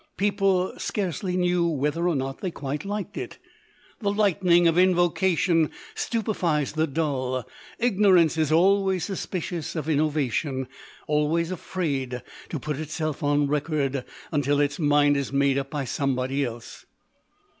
People scarcely knew whether or not they quite liked it. The lightning of innovation stupefies the dull; ignorance is always suspicious of innovation—always afraid to put itself on record until its mind is made up by somebody else.